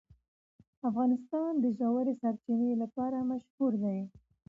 افغانستان د ژورې سرچینې لپاره مشهور دی.